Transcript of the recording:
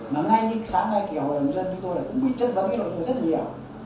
mà ngay như sáng nay kìa hội hồng dân chúng tôi là cũng bị chân vấn cái nội dung rất là nhiều